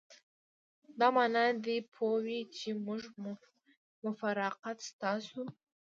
دا معنی دې پوه وي چې موږ مفارقت ستاسو.